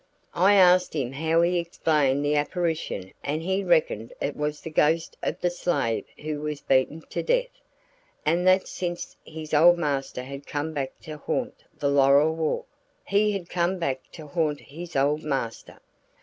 "I asked him how he explained the apparition and he reckoned it was the ghost of the slave who was beaten to death, and that since his old master had come back to haunt the laurel walk, he had come back to haunt his old master.